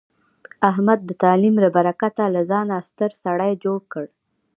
احمد د تعلیم له برکته له ځانه ستر سړی جوړ کړ.